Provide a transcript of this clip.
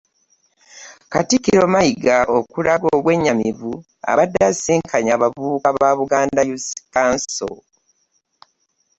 Katikkiro Mayiga okulaga obwennyamivu abadde asisinkanye abavubuka ba Buganda Youth Council